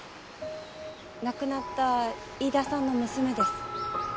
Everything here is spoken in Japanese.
亡くなった飯田さんの娘です。